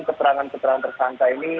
keterangan keterangan tersangka ini